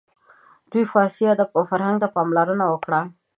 دوی فارسي ادب او فرهنګ ته پاملرنه وکړه.